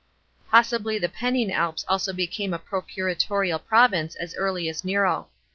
Possibly the Pennine Alps also became a procuratorial province as early as Nero.